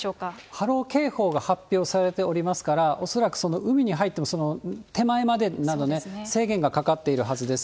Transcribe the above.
波浪警報が発表されておりますから、恐らくその海に入っても、手前までなどの制限がかかっているはずです。